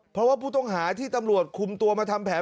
เพราะว่าผู้ต้องหาที่ตำรวจคุมตัวมาทำแผน